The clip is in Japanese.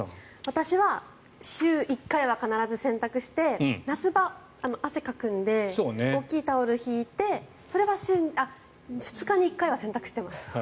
私は週１回は必ず洗濯して夏場、汗かくので大きいタオルを敷いてそれは２日に１回は洗濯しています。